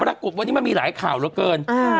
ปรากฏวันนี้มันมีหลายข่าวเหลือเกิน